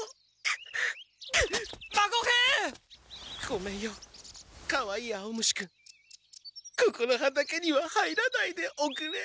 ごめんよかわいい青虫君ここの畑には入らないでおくれ。